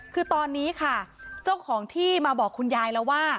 คือตอนนี้ค่ะเจ้าของที่มาบอกคุณยายแล้วว่า